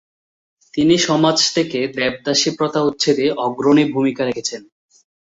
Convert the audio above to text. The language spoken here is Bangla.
তিনি সমাজ থেকে দেবদাসী প্রথা উচ্ছেদে অগ্রণী ভূমিকা রেখেছেন।